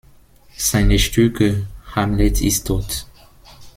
Seine Stücke "„hamlet ist tot.